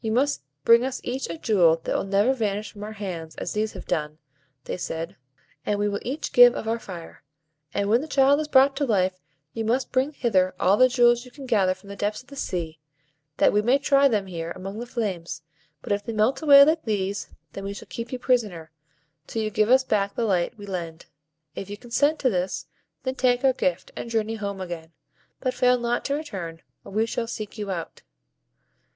"You must bring us each a jewel that will never vanish from our hands as these have done," they said, "and we will each give of our fire; and when the child is brought to life, you must bring hither all the jewels you can gather from the depths of the sea, that we may try them here among the flames; but if they melt away like these, then we shall keep you prisoner, till you give us back the light we lend. If you consent to this, then take our gift, and journey home again; but fail not to return, or we shall seek you out."